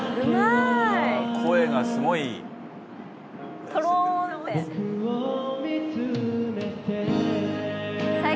声がすごい、いい。